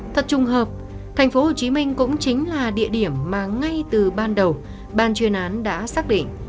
thật trùng hợp tp hcm cũng chính là địa điểm mà ngay từ ban đầu ban chuyên án đã xác định